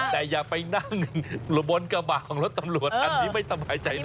แต่อย่าไปนั่งบนกระบะของรถตำรวจอันนี้ไม่สบายใจนะ